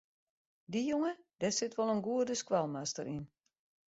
Dy jonge dêr sit wol in goede skoalmaster yn.